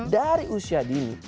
dari usia dini